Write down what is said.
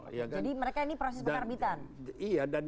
jadi mereka ini proses pengarbitan